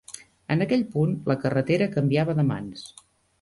En aquell punt, la carretera canviava de mans.